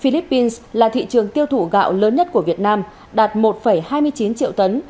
philippines là thị trường tiêu thụ gạo lớn nhất của việt nam đạt một hai mươi chín triệu tấn